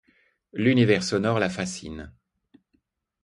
L'univers sonore la fascine.